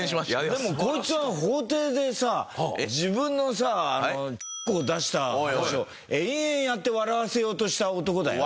でもこいつ法廷でさ自分のさを出した話を延々やって笑わせようとした男だよ？